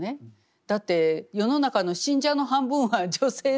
だって世の中の信者の半分は女性なわけですから。